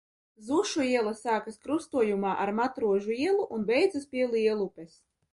Zušu iela sākas krustojumā ar Matrožu ielu un beidzas pie Lielupes.